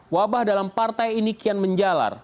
wabah dalam partai ini kian menjalar